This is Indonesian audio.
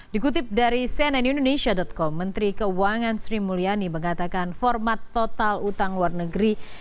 dikutip dari cnn indonesia com menteri keuangan sri mulyani mengatakan format total utang luar negeri